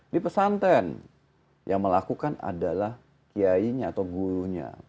di pesantren yang melakukan adalah kiainya atau gurunya